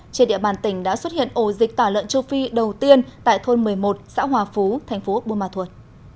trên địa bàn tỉnh đã xuất hiện ổ dịch tả lợn châu phi đầu tiên tại thôn một mươi một xã hòa phú thành phố buôn ma thuột